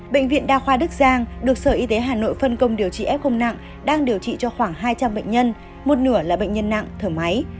bệnh viện đa khoa đức giang được sở y tế hà nội phân công điều trị f nặng đang điều trị cho khoảng hai trăm linh bệnh nhân một nửa là bệnh nhân nặng thở máy